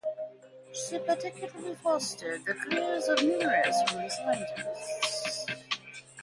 She particularly fostered the careers of numerous women scientists.